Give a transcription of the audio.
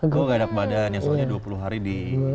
kok kainak badan soalnya dua puluh hari di